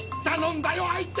たのんだよ。